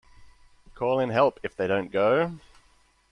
Call in help if they don't go.